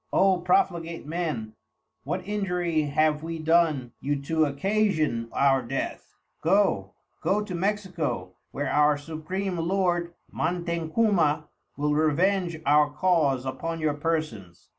O profligate Men, what injury have we done you to occasion our death! Go, go to Mexico, where our supream Lord Montencuma will revenge our cause upon your persons.